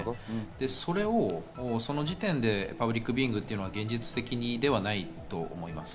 それをその時点でパブリックビューイングというのは現実的ではないと思います。